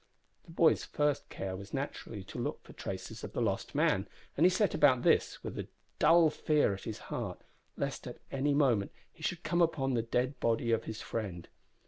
The boy's first care was naturally to look for traces of the lost man, and he set about this with a dull fear at his heart, lest at any moment he should come upon the dead body of his friend.